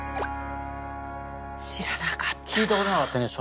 知らなかったな。